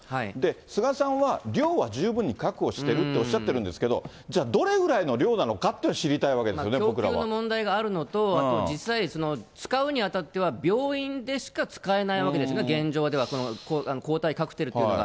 菅さんは、量は十分確保してるっておっしゃってるんですけど、じゃあ、どれぐらいの量なのかっていうのを知りたいわけですよね、僕らは。供給の問題があるのと、あと実際、使うにあたっては、病院でしか使えないわけですね、現状ではこの抗体カクテルというのが。